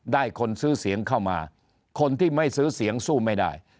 คนซื้อเสียงเข้ามาคนที่ไม่ซื้อเสียงสู้ไม่ได้